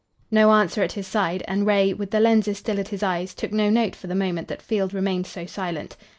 No answer at his side, and Ray, with the lenses still at his eyes, took no note for the moment that Field remained so silent.